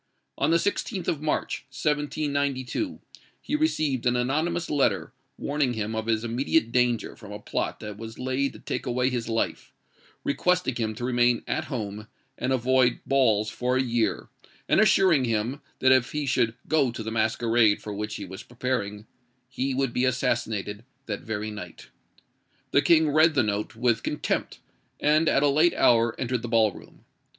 On the 16th of March, 1792, he received an anonymous letter, warning him of his immediate danger from a plot that was laid to take away his life, requesting him to remain at home, and avoid balls for a year; and assuring him, that if he should go to the masquerade for which he was preparing, he would be assassinated that very night. The King read the note with contempt, and at a late hour entered the ball room.